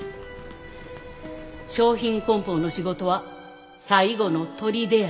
商品こん包の仕事は最後のとりでや。